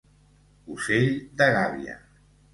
Ocell de gàbia.